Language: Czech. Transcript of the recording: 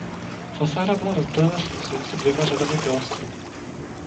Fasáda byla rozdělena římsou se dvěma řadami pilastrů.